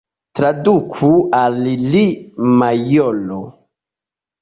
Traduku al li, majoro!